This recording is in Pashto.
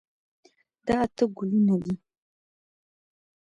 دا اته ګلونه دي.